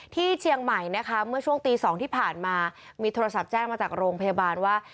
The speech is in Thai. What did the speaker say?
ที่เชียงใหม่นะคะเมื่อช่วงตี๒ที่ผ่านมามีโทรศัพท์แจ้งมาจากโรงพยาบาลว่า